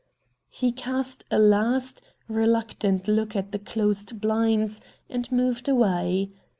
He cast a last, reluctant look at the closed blinds, and moved away.